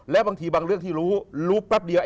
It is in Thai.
และบางทีบางเรื่องที่รู้รู้แป๊บเดียว